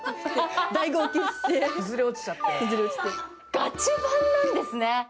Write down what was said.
ガチファンなんですね。